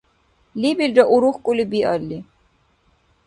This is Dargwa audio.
Лебилра урухкӀули биалли.